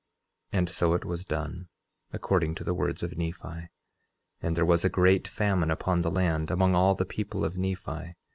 11:5 And so it was done, according to the words of Nephi. And there was a great famine upon the land, among all the people of Nephi.